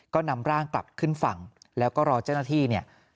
ก็นำร่างกลับขึ้นฝั่งแล้วก็รอเจ้าหน้าที่เนี่ย